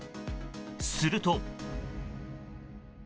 すると。